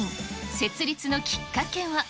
設立のきっかけは。